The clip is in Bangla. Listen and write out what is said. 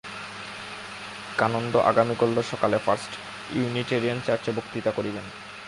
কানন্দ আগামীকল্য সকালে ফার্ষ্ট ইউনিটেরিয়ান চার্চ-এ বক্তৃতা করিবেন।